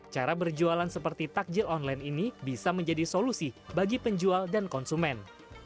cara berjualan seperti takjil online ini bisa menjadi solusi bagi penjual dan konsumen